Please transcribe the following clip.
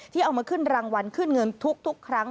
เอามาขึ้นรางวัลขึ้นเงินทุกครั้ง